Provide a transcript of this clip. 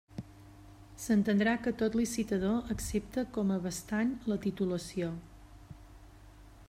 S'entendrà que tot licitador accepta com a bastant la titulació.